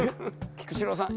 菊紫郎さん